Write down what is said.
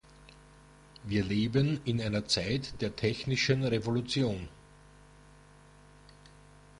Wir leben in einer Zeit der technischen Revolution.